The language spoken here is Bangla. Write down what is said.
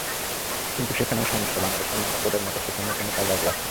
কিন্তু সেখানেও সমস্যা—বাংলাদেশের অন্যান্য কোর্টের মতো সেখানেও কোনো ফাইবার গ্লাস নেই।